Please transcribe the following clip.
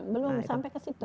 belum sampai ke situ